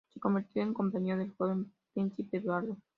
Se convirtió en compañero del joven príncipe Eduardo.